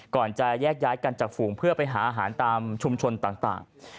ก่อนจะแยกย้ายกันจากฝูงเพื่อไปหาอาหารตามชุมชนต่าง